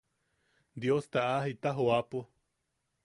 Diosta a jita joʼapo.